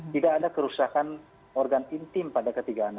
tidak ada kerusakan organ intim pada ketiga anaknya ya